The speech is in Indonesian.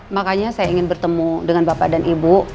makanya saya ingin bertemu dengan bapak dan ibu